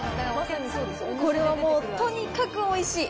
これはもう、とにかくおいしい。